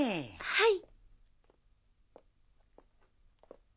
はい。